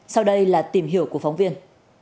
sau đây là tìm hiểu của phóng viên